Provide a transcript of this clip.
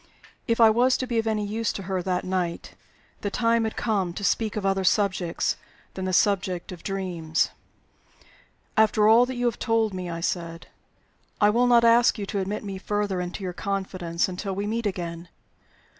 If I was to be of any use to her that night, the time had come to speak of other subjects than the subject of dreams. "After all that you have told me," I said, "I will not ask you to admit me any further into your confidence until we meet again.